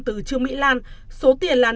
từ trường mỹ lan số tiền là năm hai triệu usd